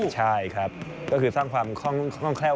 ใช่ครับก็คือสร้างความคล่องแคล่ว